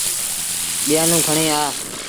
ٻيآنون کڻي آ۔